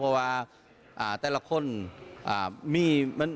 ตามความรู้สึกฟังด้วยผมก็ดูด้วยตา